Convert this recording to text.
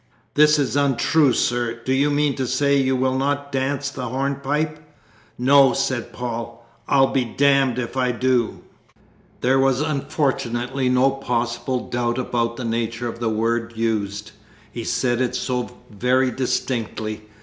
"This is untrue, sir. Do you mean to say you will not dance the hornpipe?" "No," said Paul, "I'll be damned if I do!" There was unfortunately no possible doubt about the nature of the word used he said it so very distinctly.